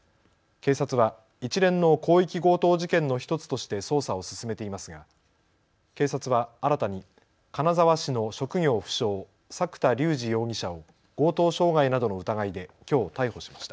警察は一連の広域強盗事件の１つとして捜査を進めていますが警察は新たに金沢市の職業不詳、作田竜二容疑者を強盗傷害などの疑いできょう逮捕しました。